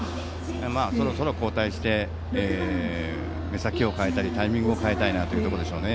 そろそろ交代して目先を変えたりタイミングを変えたいなというところでしょうね。